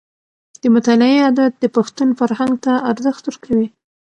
د مطالعې عادت د پښتون فرهنګ ته ارزښت ورکوي.